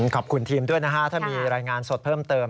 ขอบคุณทีมด้วยนะฮะถ้ามีรายงานสดเพิ่มเติม